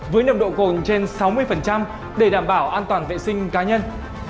với nồng độ cồn trên sáu mươi để đảm bảo an toàn vệ sinh cá nhân